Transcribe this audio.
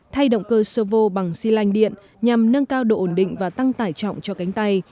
thay động cơ sóvo bằng xi lanh điện nhằm nâng cao độ ổn định và tăng tải trọng cho cánh tay